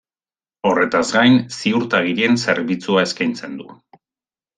Horretaz gain, ziurtagirien zerbitzua eskaintzen du.